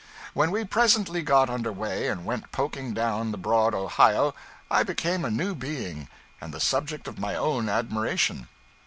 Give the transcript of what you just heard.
When we presently got under way and went poking down the broad Ohio, I became a new being, and the subject of my own admiration.